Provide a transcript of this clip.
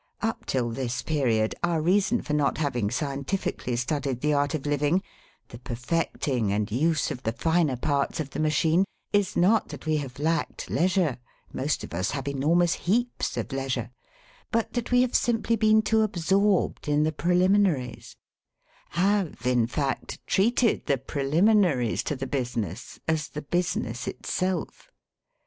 Up till this period our reason for not having scientifically studied the art of living the perfecting and use of the finer parts of the machine is not that we have lacked leisure (most of us have enormous heaps of leisure), but that we have simply been too absorbed in the preliminaries, have, in fact, treated the preliminaries to the business as the business itself.